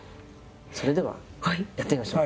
それではやってみましょう。